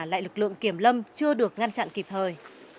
lại lực lượng kiểm lâm chưa được ngăn chặn kịp thời